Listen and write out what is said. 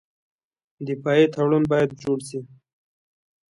دفاعي تړون باید جوړ شي.